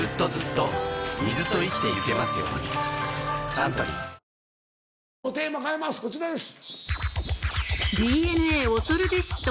サントリーもうテーマ変えますこちらです。